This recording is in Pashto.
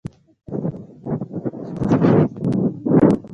له تسلیمیدونکي څخه لاسلیک اخیستل کیږي.